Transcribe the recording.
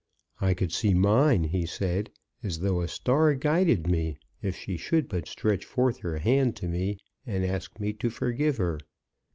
"I could see mine," he said, "as though a star guided me, if she should but stretch forth her hand to me and ask me to forgive her."